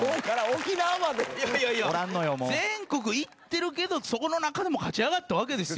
全国行ってるけどそこの中でも勝ち上がったわけですよ。